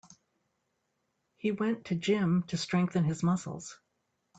He went to gym to strengthen his muscles.